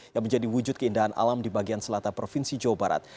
yang menjadi wujud keindahan alam di bagian selatan provinsi jawa barat